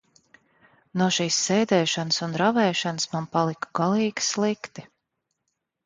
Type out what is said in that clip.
No šīs sēdēšanas un ravēšanas man palika galīgi slikti.